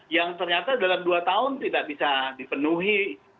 yang ternyata dalam dua tahun tidak bisa dipenuhi